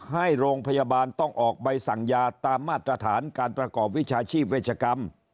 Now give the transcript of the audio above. ให้โรงพยาบาลต้องออกใบสั่งยาตามมาตรฐานการประกอบวิชาชีพเวชกรรม